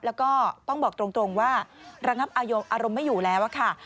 แล้วก็ต้องบอกตรงว่าระงับอายงอารมณ์ไม่อยู่แล้วค่ะ